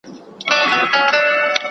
کرکه او نفرت د چا لخوا رامنځته کېږي؟